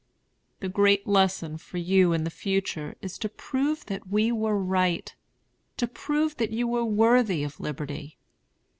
The great lesson for you in the future is to prove that we were right; to prove that you were worthy of liberty.